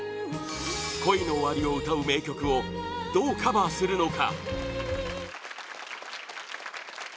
恋の終わりを歌う名曲をどうカバーするのか？